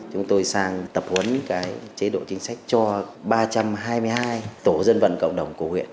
chúng tôi sang tập huấn chế độ chính sách cho ba trăm hai mươi hai tổ dân vận cộng đồng của huyện